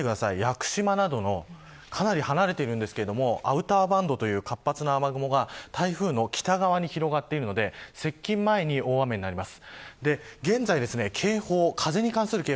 屋久島などもかなり離れているんですがアウターバンドという活発な雨雲が台風の北側に広がっているので接近前に大雨になります。